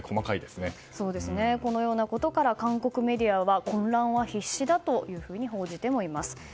このようなことから韓国メディアは混乱は必至だと報じてもいます。